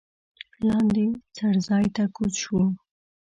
لاندې څړځای ته کوز شوو.